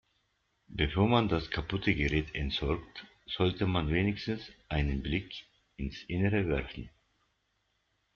Bevor man das kaputte Gerät entsorgt, sollte man wenigstens einen Blick ins Innere werfen.